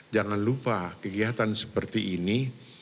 jangan lupa kegiatan seperti ini